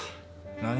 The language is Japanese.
何！？